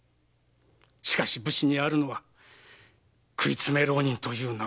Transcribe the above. しかし武士にあるのは“食い詰め浪人”という名前だけ。